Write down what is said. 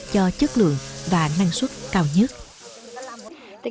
cho chất lượng và năng suất cao nhất